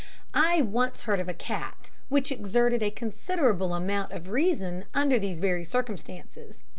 I once heard of a cat which exerted a considerable amount of reason under these very circumstances.